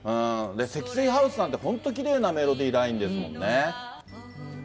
積水ハウスなんて、本当にきれいなメロディーラインですもんね。